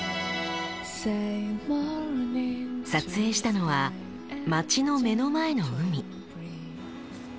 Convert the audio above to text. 撮影したのは町の目の前の海。